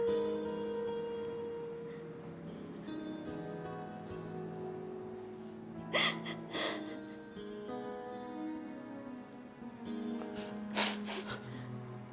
jika kita harus melepaskannya nak